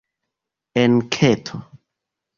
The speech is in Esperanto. enketo